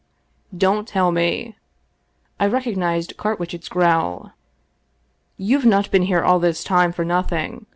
" Don't tell me," I recognized Carwitchet's growl. " You've not been here all this time for nothing.